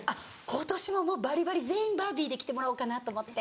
今年ももうバリバリ全員バービーで来てもらおうかなと思って。